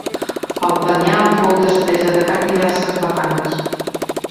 El penyal fou després atacat diverses vegades.